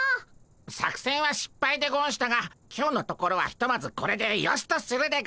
作戦はしっぱいでゴンしたが今日のところはひとまずこれでよしとするでゴンス。